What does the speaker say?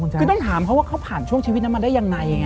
คือต้องถามเขาว่าเขาผ่านช่วงชีวิตนั้นมาได้ยังไง